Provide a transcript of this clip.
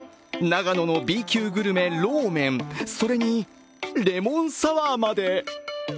パンにジェラート、長野Ｂ級グルメ、ローメン、それにレモンサワーまで。